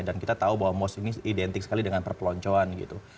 dan kita tahu bahwa mos ini identik sekali dengan perpeloncoan gitu